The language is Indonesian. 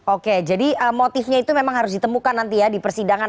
oke jadi motifnya itu memang harus ditemukan nanti ya di persidangan